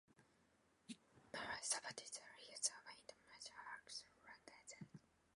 Meillet supported the use of an international auxiliary language.